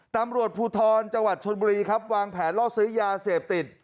ตำรวจภูทรจังหวัดชนบุรีครับวางแผนล่อซื้อยาเสพติด